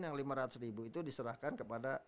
yang lima ratus ribu itu diserahkan kepada